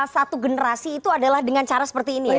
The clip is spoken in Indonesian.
satu generasi itu adalah dengan cara seperti ini ya